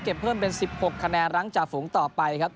เพิ่มเป็น๑๖คะแนนหลังจากฝูงต่อไปครับ